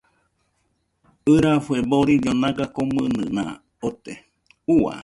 ɨrafue boriño naga komɨnɨna ote, Ua